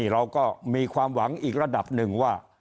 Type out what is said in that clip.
เราก็มีความหวังอีกระดับหนึ่งว่า